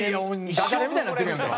ダジャレみたいになってるやんか。